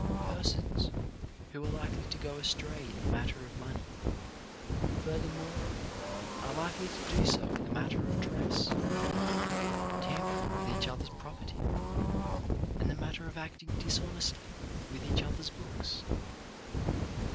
Persons who are likely to go astray in the matter of money, furthermore are likely to do so in the matter of dress, in tam pering with each other's property, in the matter of acting dishonestly with each other's books.